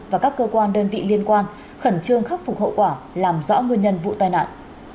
và các cơ quan đơn vị liên quan khẩn trương khắc phục hậu quả làm rõ nguyên nhân vụ tai nạn